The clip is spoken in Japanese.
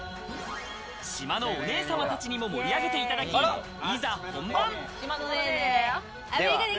島のお姉さま達にも盛り上げていただき、いざ本番。